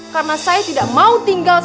karena saya tidak mau tinggal